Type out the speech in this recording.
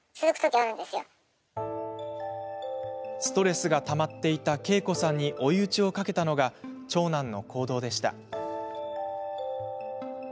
ストレスが溜まっていたケイコさんに追い打ちをかけたのが長男の行動でした。